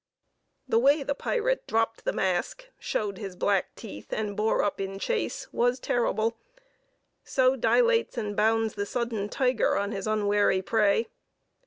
The way the pirate dropped the mask, showed his black teeth, and bore up in chase, was terrible: so dilates and bounds the sudden tiger on his unwary prey.